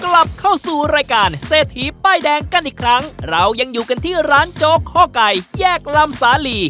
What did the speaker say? กลับเข้าสู่รายการเศรษฐีป้ายแดงกันอีกครั้งเรายังอยู่กันที่ร้านโจ๊กข้อไก่แยกลำสาลี